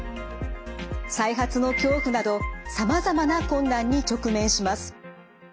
再発の恐怖などさまざまな困難に直面します。